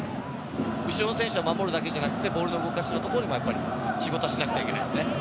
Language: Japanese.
後ろの選手は守るだけじゃなくてボールの動かし方のところでも仕事をしなくちゃいけませんね。